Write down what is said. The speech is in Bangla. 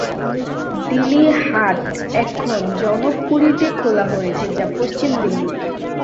দিলি হাট এখন জনক পুরীতে খোলা হয়েছে যা পশ্চিম দিল্লিতে।